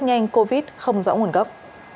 nhanh covid không rõ nguồn gốc